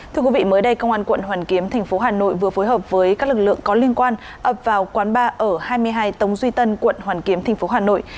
thưa quý vị mới đây công an quận hoàn kiếm thành phố hà nội vừa phối hợp với các lực lượng có liên quan ập vào quán bar ở hai mươi hai tống duy tân quận hoàn kiếm tp hà nội